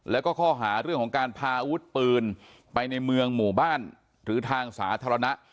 แล้วก็ข้อหาเรื่องของการพาอาวุธปืนไปในเมืองหมู่บ้านหรือทางสาธารณะ